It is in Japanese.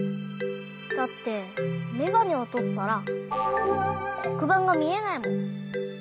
だってめがねをとったらこくばんがみえないもん。